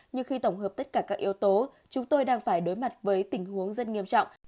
nhưng khi tổng hợp tất cả các yếu tố chúng tôi đang phải đối mặt với tình huống rất nghiêm trọng